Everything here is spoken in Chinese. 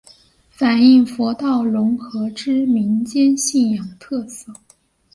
反应佛道融合之民间信仰特色。